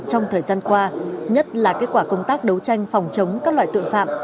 trong thời gian qua nhất là kết quả công tác đấu tranh phòng chống các loại tội phạm